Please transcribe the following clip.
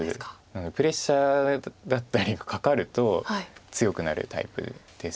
プレッシャーだったりがかかると強くなるタイプです。